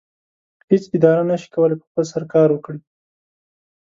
هیڅ اداره نشي کولی په خپل سر کار وکړي.